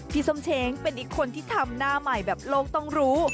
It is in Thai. ส้มเช้งเป็นอีกคนที่ทำหน้าใหม่แบบโลกต้องรู้